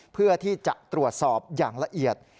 เพื่อที่จะตรวจสอบอย่างละเอียด